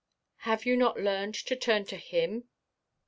"Have you not learned to turn to Him?"